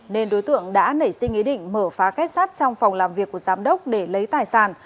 nên đối tượng đã nảy sinh ý định mở phá kết sát trong phòng làm việc của giám đốc để lấy tài sản